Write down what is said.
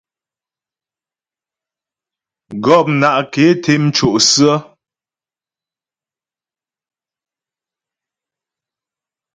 Gɔpna' ké té mco' sə̀.